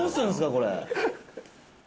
これ。